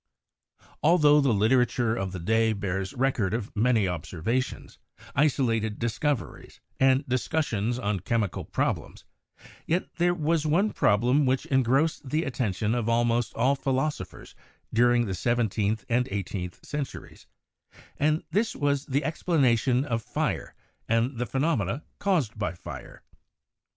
Altho the literature of the day bears record of many observations, isolated discoveries, and discussions on chemical problems, yet there was one problem which en grossed the attention of almost all philosophers during the seventeenth and eighteenth centuries, and this was the explanation of fire and the phenomena caused by fire.